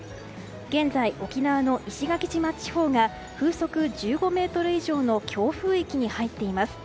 現在、沖縄の石垣島地方が風速１５メートル以上の強風域に入っています。